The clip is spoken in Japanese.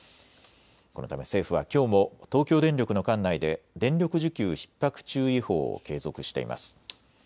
このため政府はきょうも東京電力の管内で電力需給ひっ迫注意報を継続しています。